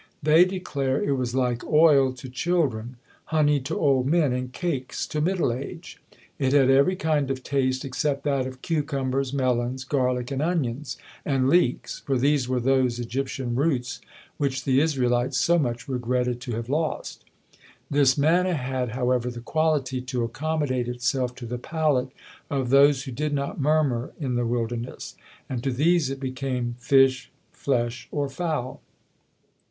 They declare it was "like oil to children, honey to old men, and cakes to middle age." It had every kind of taste except that of cucumbers, melons, garlic, and onions, and leeks, for these were those Egyptian roots which the Israelites so much regretted to have lost. This manna had, however, the quality to accommodate itself to the palate of those who did not murmur in the wilderness; and to these it became fish, flesh, or fowl.